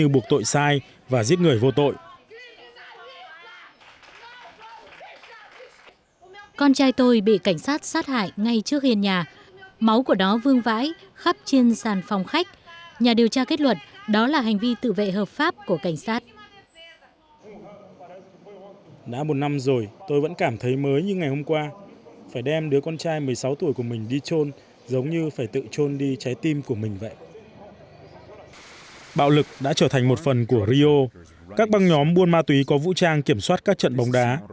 bạo lực đã trở thành một phần của rio các băng nhóm buôn ma túy có vũ trang kiểm soát các trận bóng đá